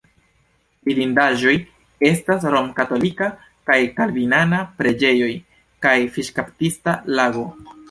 Vidindaĵoj estas romkatolika kaj kalvinana preĝejoj kaj fiŝkaptista lago.